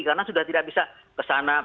karena sudah tidak bisa ke sana